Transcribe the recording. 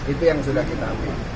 itu yang sudah kita akui